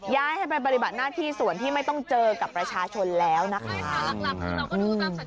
ย้ายให้ไปปฏิบัติหน้าที่ส่วนที่ไม่ต้องเจอกับประชาชนแล้วนะคะ